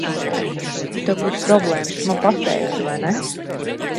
Ja tev būtu problēmas, tu man pateiktu, vai ne?